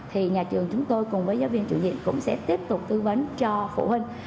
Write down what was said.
thì nhà trường chúng tôi cùng với giáo viên chủ nhiệm cũng sẽ tiếp tục tư vấn cho phụ huynh